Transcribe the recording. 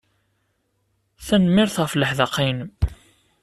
Tanemmirt ɣef leḥdaqa-inem.